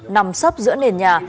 nằm sấp giữa nền nhà